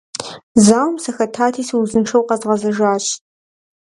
Зауэм сыхэтати, сыузыншэу къэзгъэзэжащ.